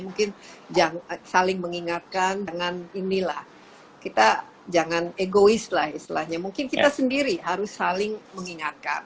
mungkin saling mengingatkan dengan inilah kita jangan egois lah istilahnya mungkin kita sendiri harus saling mengingatkan